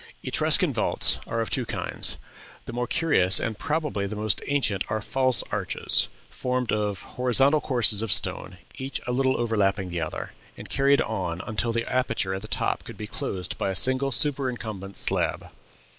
"Etruscan vaults are of two kinds. The more curious and probably the most ancient are false arches, formed of horizontal courses of stone, each a little overlapping the other, and carried on until the aperture at the top could be closed by a single superincumbent slab.